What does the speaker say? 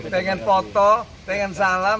pengen foto pengen salam